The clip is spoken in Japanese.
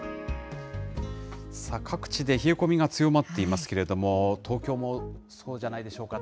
各地で冷え込みが強まっていますけれども、東京もそうじゃないでしょうか。